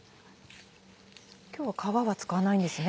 今日は皮は使わないんですね。